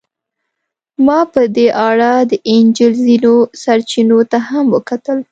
ما په دې اړه د انجیل ځینو سرچینو ته هم وکتل.